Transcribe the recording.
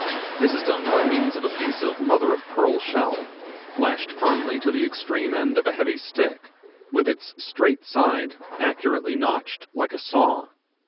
This is done by means of a piece of mother of pearl shell, lashed firmly to the extreme end of a heavy stick, with its straight side accurately notched like a saw.